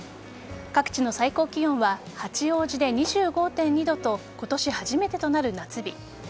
各地の最高気温は八王子で２５．２度と今年初めてとなる夏日。